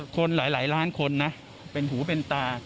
คนหลายล้านคนนะเป็นหูเป็นตา